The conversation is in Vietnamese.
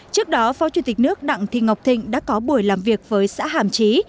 trước đó phó chủ tịch nước đặng thị ngọc thịnh đã có buổi làm việc với xã hàm trí